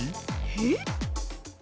えっ？